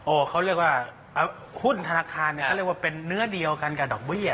เขาเรียกว่าหุ้นธนาคารเนี่ยเขาเรียกว่าเป็นเนื้อเดียวกันกับดอกเบี้ย